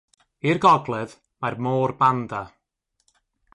I'r gogledd, mae'r Môr Banda.